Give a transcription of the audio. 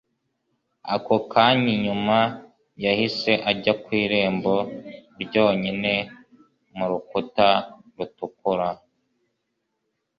ako kanya inyuma yahise ajya ku irembo ryonyine murukuta rutukura